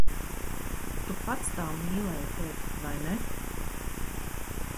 Tu pats tā mīlēji teikt, vai ne?